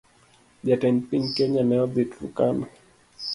Jatend piny kenya ne odhii Turkana